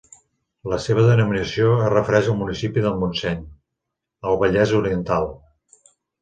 La seva denominació es refereix al municipi de Montseny, al Vallès Oriental.